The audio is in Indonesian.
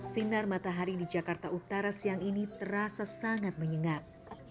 sinar matahari di jakarta utara siang ini terasa sangat menyengat